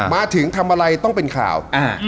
มาถึงทำอะไรต้องเป็นข่าว